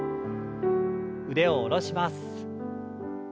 腕を下ろします。